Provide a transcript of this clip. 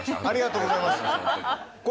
ありがとうございます。